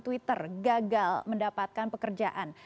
twitter gagal mendapatkan pekerjaan